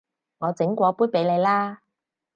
我整過杯畀你啦